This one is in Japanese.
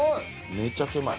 めちゃくちゃうまい。